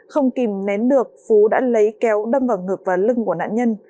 không kìm nén được phú đã lấy kéo đâm vào ngực và lưng của nạn nhân